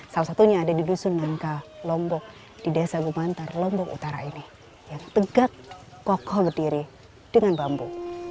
salah satunya ada di dusun nangka lombok di desa gumantar lombok utara ini yang tegak kokoh berdiri dengan bambu